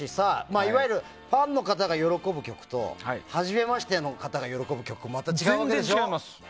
いわゆるファンの方が喜ぶ曲とはじめましての方が喜ぶ曲違うでしょ。